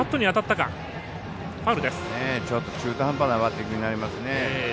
ちょっと中途半端なバッティングになりますね。